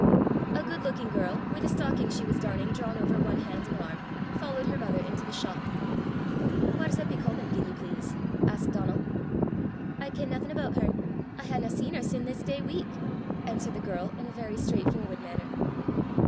A good looking girl, with a stocking she was darning drawn over one hand and arm, followed her mother into the shop. "Whaur's Eppy Comin, gien ye please?" asked Donal. "I ken naething aboot her. I haena seen her sin' this day week," answered the girl in a very straight forward manner.